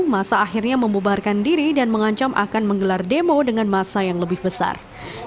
masa akhirnya membubarkan diri dan mengancam akan menggelar demo dengan masa yang lebih besar